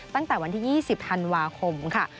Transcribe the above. ตั้งแต่วันที่๒๐ธันวาคมค่ะ